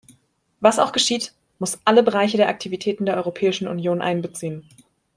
Was auch geschieht, muss alle Bereiche der Aktivitäten der Europäischen Union einbeziehen.